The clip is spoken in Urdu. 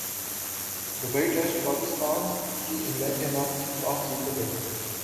دبئی ٹیسٹپاکستان کی انگلینڈ کیخلاف ٹاس جیت کر بیٹنگ